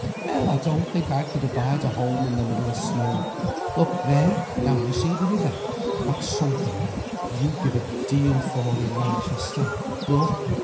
"Well, I don't think I could abide a home in the middle of smoke. Look there! now you see the river! That's something now you'd give a deal for in Manchester. Look!"